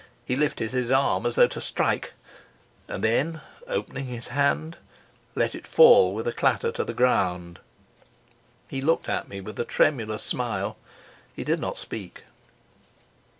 He lifted his arm as though to strike, and then, opening his hand, let it fall with a clatter to the ground. He looked at me with a tremulous smile. He did not speak.